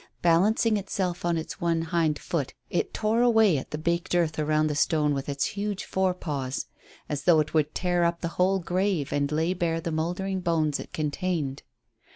Balancing itself on its one hind foot it tore away at the baked earth around the stone with its huge fore paws, as though it would tear up the whole grave and lay bare the mouldering bones it contained.